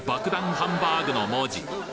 ハンバーグの文字！